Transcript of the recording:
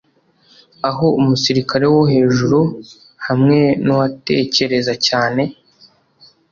aho umusirikare wohejuru hamwe nuwatekereza cyane